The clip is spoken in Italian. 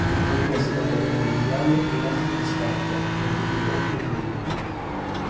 Dopo la seconda guerra mondiale rimase in disparte e non pubblicò più nulla.